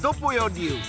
流